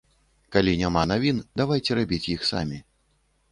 Калі няма навін, давайце рабіць іх самі.